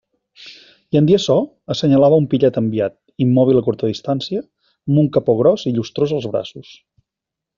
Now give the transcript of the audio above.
I en dir açò, assenyalava a un pillet enviat, immòbil a curta distància, amb un capó gros i llustrós als braços.